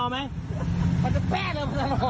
มันไปแป้งเรา